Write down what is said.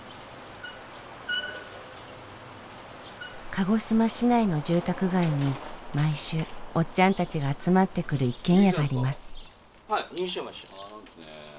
鹿児島市内の住宅街に毎週おっちゃんたちが集まってくる一軒家があります。